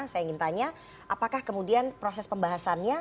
saya ingin tanya apakah kemudian proses pembahasannya